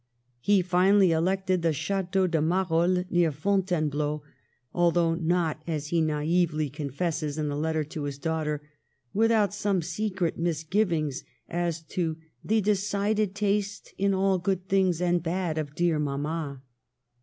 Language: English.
He finally elected the Chateaux de Marolles, near Fontainebleau, although not, as he naively confesses in a letter to his daughter, without some secret misgivings as to " the decided taste in all. things good and bad of dear mamma."